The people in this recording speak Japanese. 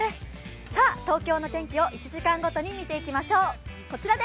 東京の天気を１時間ごとに見ていきましょう。